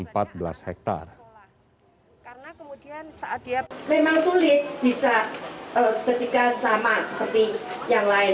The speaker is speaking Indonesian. memang sulit bisa seketika sama seperti yang lain